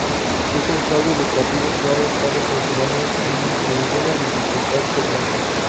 Es un fraude lucrativo que ha estado funcionando sin ninguna dificultad por meses.